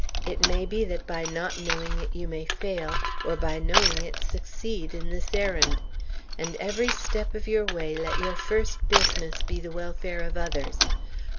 It may be that by not knowing it you may fail, or by knowing it succeed, in this errand. And every step of your way let your first business be the welfare of others.